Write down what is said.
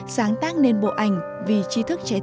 sáng tác nên bộ ảnh vì chí thức trẻ tinh